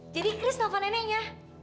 jadi kris telfon neneknya